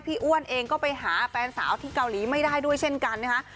อ้วนเองก็ไปหาแฟนสาวที่เกาหลีไม่ได้ด้วยเช่นกันนะคะ